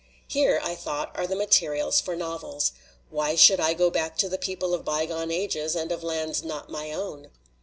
Here, I thought, are the materials for novels. Why should I go back to the people of bygone ages and of lands not my own?"